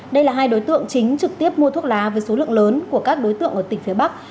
đây là hai đối tượng chính trực tiếp mua thuốc lá với số lượng lớn của các đối tượng ở tỉnh phía bắc